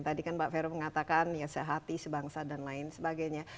tadi kan mbak vero mengatakan ya sehati sebangsa dan lain sebagainya